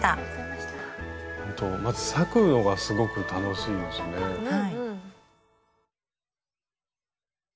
まず裂くのがすごく楽しいですね。